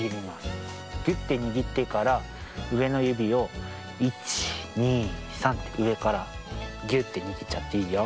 ぎゅってにぎってからうえのゆびを１２３ってうえからぎゅってにぎっちゃっていいよ。